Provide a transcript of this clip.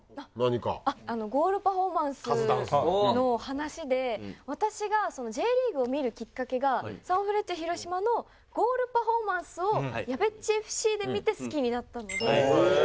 の話で私がＪリーグを見るきっかけがサンフレッチェ広島のゴールパフォーマンスを『やべっちＦ．Ｃ．』で見て好きになったので。